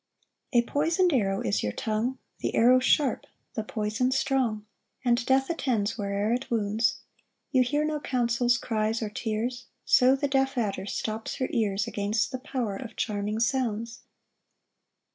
3 A poison'd arrow is your tongue, The arrow sharp, the poison strong, And death attends where'er it wounds: You hear no counsels, cries or tears; So the deaf adder stops her ears Against the power of charming sounds.